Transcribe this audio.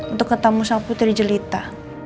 untuk ketemu sang putri jelita